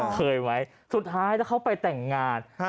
เคยไหมสุดท้ายเขาไปแต่งงาน